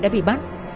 đã bị bắt